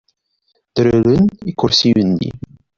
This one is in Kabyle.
Derreren ikersiyen-nni.